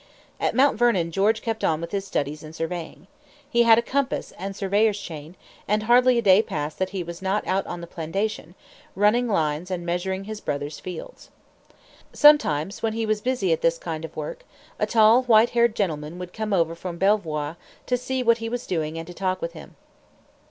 At Mount Vernon George kept on with his studies in surveying. He had a compass and surveyor's chain, and hardly a day passed that he was not out on the plantation, running lines and measuring his brother's fields. Sometimes when he was busy at this kind of work, a tall, white haired gentleman would come over from Belvoir to see what he was doing and to talk with him.